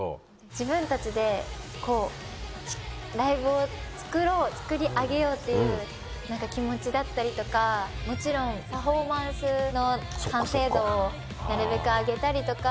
自分たちでこうライブを作ろう作り上げようっていう気持ちだったりとかもちろんパフォーマンスの完成度をなるべく上げたりとか。